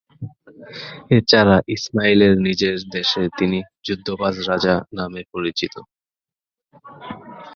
এছাড়া ইসমাইলের নিজের দেশে তিনি ‘যুদ্ধবাজ রাজা’ নামে পরিচিত।